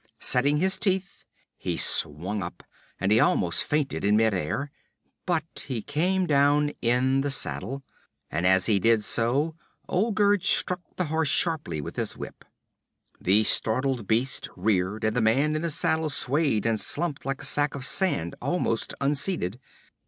Setting his teeth, he swung up, and he almost fainted in midair; but he came down in the saddle and as he did so, Olgerd struck the horse sharply with his whip. The startled beast reared, and the man in the saddle swayed and slumped like a sack of sand, almost unseated.